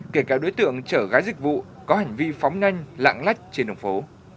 kể cả đối tượng chở gái dịch vụ có hành vi phóng nhanh lạng lách trên đường phố